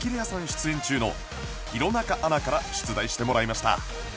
出演中の弘中アナから出題してもらいました